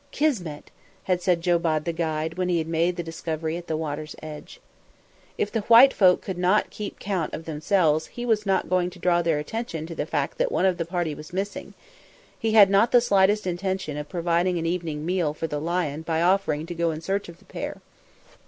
"Kismet!" had said Jobad the guide when he had made the discovery at the water's edge. If the white folk could not keep count of themselves he was not going to draw their attention to the fact that one of the party was missing; he had not the slightest intention of providing an evening meal for the lion by offering to go in search of the pair.